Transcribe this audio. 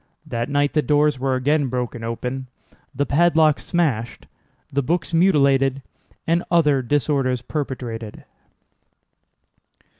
That night the doors were again broken open, the padlocks smashed, the books mutilated, and other disorders perpetrated."